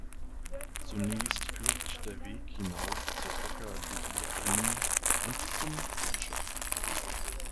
Zunächst führt der Weg hinauf zur Bocca degli Armi und zum Gletscher.